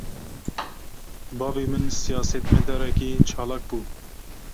Bavê min, siyasetmedarekî çalak bû